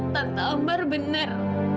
tante ambar benar